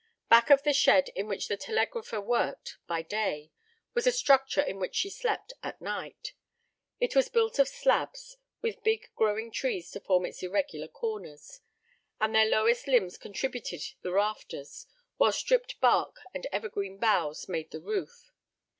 Back of the shed in which the telegrapher worked by day was a structure in which she slept at night. It was built of slabs, with big growing trees to form its irregular corners, and their lowest limbs contributed the rafters, while stripped bark and evergreen boughs made the roof.